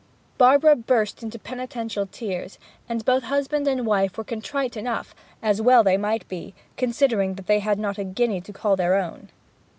Barbara burst into penitential tears, and both husband and wife were contrite enough, as well they might be, considering that they had not a guinea to call their own.